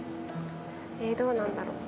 えどうなんだろう？